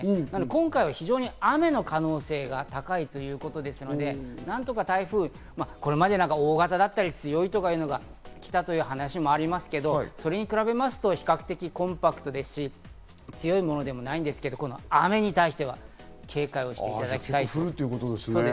今回は非常に雨の可能性が高いということですので、何とか台風、これまで大型だったり強いとかいうのが来たという話もありますけど、それに比べますと比較的コンパクトですし、強いものでもないんですけど、雨に対しては警戒をしていただきたい。